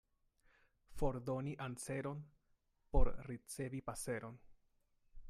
Fordoni anseron, por ricevi paseron.